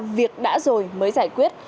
việc đã rồi mới giải quyết